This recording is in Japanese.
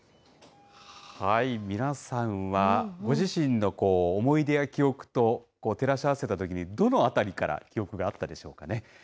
皆さんは、ご自身の思い出や記憶と照らし合わせたときに、どのあたりから記憶があったでしょうかね。